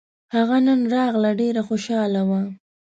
هغه نن راغله ډېره خوشحاله وه